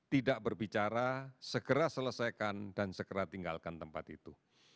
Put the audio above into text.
tidak berbicara segera selesaikan dan segera tinggalkan tempat itu